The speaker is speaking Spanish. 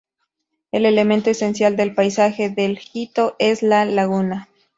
El elemento esencial del paisaje del Hito es la laguna.